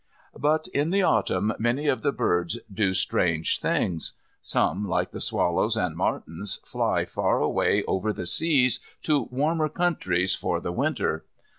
But in the Autumn many of the birds do strange things. Some, like the swallows and martins, fly far away over the seas to warmer countries for the winter.